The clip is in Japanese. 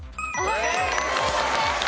正解です。